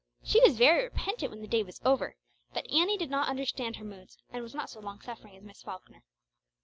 She was very repentant when the day was over, but Annie did not understand her moods, and was not so long suffering as Miss Falkner.